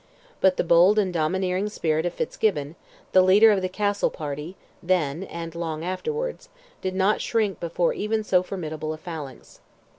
But the bold and domineering spirit of Fitzgibbon—the leader of the Castle party, then, and long afterwards—did not shrink before even so formidable a phalanx.